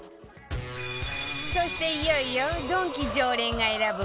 そしていよいよドンキ常連が選ぶ